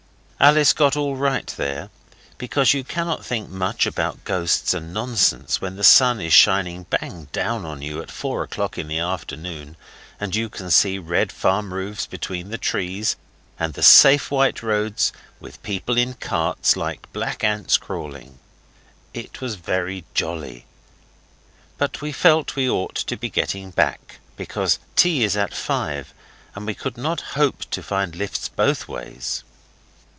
Alice got all right there; because you cannot think much about ghosts and nonsense when the sun is shining bang down on you at four o'clock in the afternoon, and you can see red farm roofs between the trees, and the safe white roads, with people in carts like black ants crawling. It was very jolly, but we felt we ought to be getting back, because tea is at five, and we could not hope to find lifts both ways.